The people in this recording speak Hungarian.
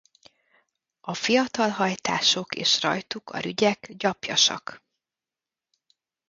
A fiatal hajtások és rajtuk a rügyek gyapjasak.